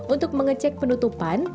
untuk mengecek penutupan